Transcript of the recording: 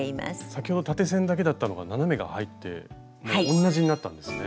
先ほど縦線だけだったのが斜めが入って同じになったんですね。